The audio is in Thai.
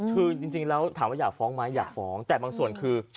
คือจริงแล้วถามว่าอยากฟ้องไหมอยากฟ้องแต่บางส่วนคือ